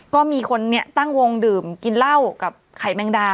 ก็มีคนนี้ตั้งวงดื่มกินเหล้ากับไข่แมงดา